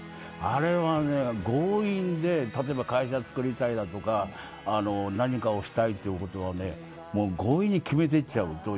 あれは強引で会社作りたいだとか何かをしたいということは強引に決めていっちゃう。